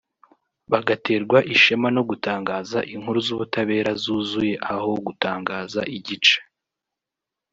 bagaterwa ishema no gutangaza inkuru z’ubutabera zuzuye aho gutangaza igice